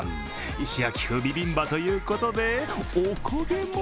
石焼風ビビンバということで、お焦げも。